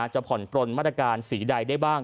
ผ่อนปลนมาตรการสีใดได้บ้าง